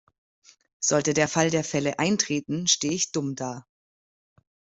Sollte der Fall der Fälle eintreten, stehe ich dumm da.